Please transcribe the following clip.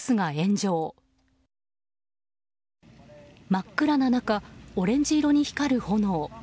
真っ暗な中オレンジ色に光る炎。